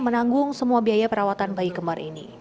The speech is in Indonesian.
menanggung semua biaya perawatan bayi kembar ini